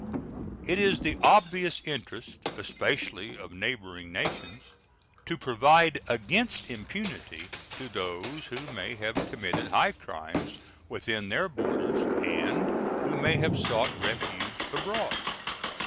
It is the obvious interest, especially of neighboring nations, to provide against impunity to those who may have committed high crimes within their borders and who may have sought refuge abroad.